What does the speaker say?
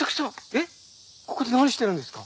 えっここで何してるんですか？